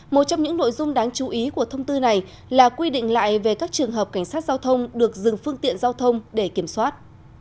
một trong những nội dung đáng chú ý của thông tư này là quy định lại về các trường hợp cảnh sát giao thông được dừng phương tiện giao thông để kiểm soát